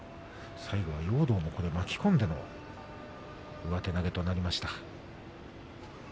最後容堂も巻き込んでの上手投げとなりました。